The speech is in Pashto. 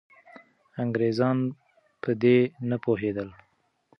انګریزان په دې نه پوهېدل.